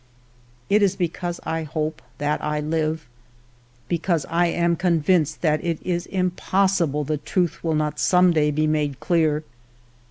" It is because I hope, that I live ; because I am convinced that it is impossible the truth will not some day be made clear